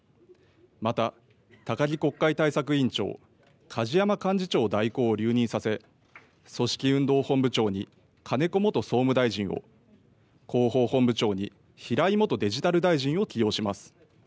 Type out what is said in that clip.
また高木国会対策委員長、梶山幹事長代行を留任させ組織運動本部長に金子元総務大臣を、広報本部長に平井元デジタル大臣を起用します。